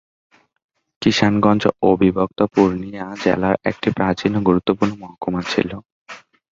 কিশানগঞ্জ অবিভক্ত পূর্ণিয়া জেলার একটি প্রাচীন ও গুরুত্বপূর্ণ মহকুমা ছিল।